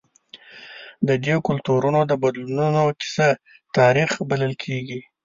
د دې کلتورونو د بدلونونو کیسه تاریخ بلل کېږي.